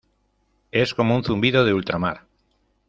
es como un zumbido de ultramar.